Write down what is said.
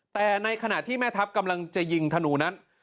แต่ในขณะที่แม่ทัพกำลังจะยิงธนูนั้น